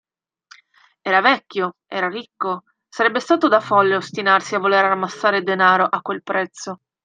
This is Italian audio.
Era vecchio, era ricco, sarebbe stato da folle ostinarsi a voler ammassare denaro a quel prezzo.